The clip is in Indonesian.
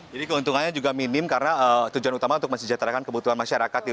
jadi keuntungannya juga minim karena tujuan utama untuk mencejahkan kebutuhan masyarakat